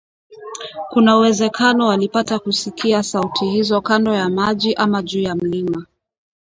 Kuna uwezekano walipata kusikia sauti hizo kando ya maji ama juu ya mlima